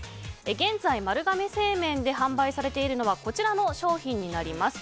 現在、丸亀製麺で販売されているのはこちらの商品になります。